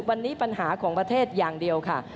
วันนี้ปัญหาของประเทศอย่างเดียวค่ะ